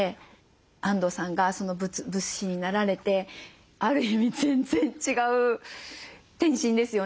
あんどうさんが仏師になられてある意味全然違う転身ですよね。